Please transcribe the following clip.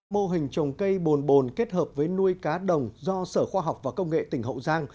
mô hình trồng cây bồn bồn kết hợp với nuôi cá đồng do sở khoa học và công nghệ tỉnh hậu giang